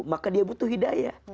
maka dia butuh hidayah